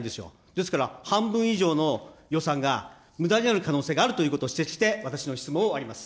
ですから半分以上の予算がむだになる可能性があると指摘して、私の質問を終わります。